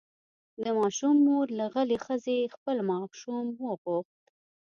د ماشوم مور له غلې ښځې خپل ماشوم وغوښت.